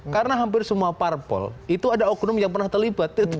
karena hampir semua parpol itu ada oknum yang pernah terlibat